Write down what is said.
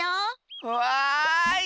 わい！